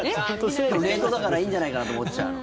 冷凍だからいいんじゃないかなと思っちゃうの。